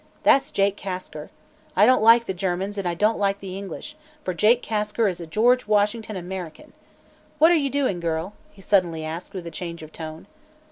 That's Jake Kasker. I don't like the Germans and I don't like the English, for Jake Kasker is a George Washington American. What are you doing, girl?" he suddenly asked with a change of tone.